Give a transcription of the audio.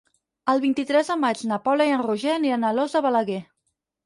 El vint-i-tres de maig na Paula i en Roger aniran a Alòs de Balaguer.